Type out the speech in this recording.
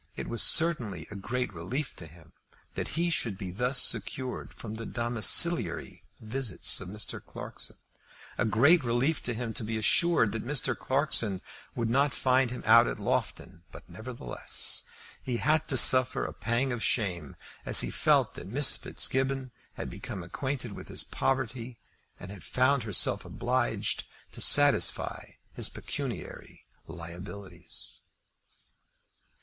It was certainly a great relief to him, that he should be thus secured from the domiciliary visits of Mr. Clarkson; a great relief to him to be assured that Mr. Clarkson would not find him out down at Loughton; but nevertheless, he had to suffer a pang of shame as he felt that Miss Fitzgibbon had become acquainted with his poverty and had found herself obliged to satisfy his pecuniary liabilities.